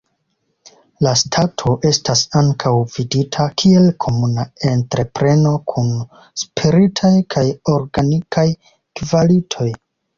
La stato estas ankaŭ vidita kiel komuna entrepreno kun spiritaj kaj organikaj kvalitoj.